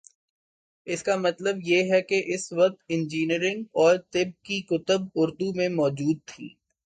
اس کا مطلب یہ ہے کہ اس وقت انجینئرنگ اور طب کی کتب اردو میں مو جود تھیں۔